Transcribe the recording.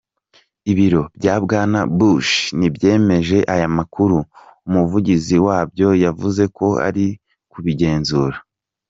Ibiro bya Bwana Bush ntibyemeje aya makuru, umuvugizi wabyo yavuze ko ari kubigenzura.